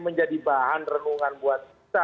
menjadi bahan renungan buat kita